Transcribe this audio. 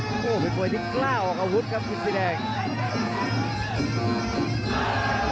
โอ้โหเป็นมวยที่กล้าออกอาวุธครับอินสีแดง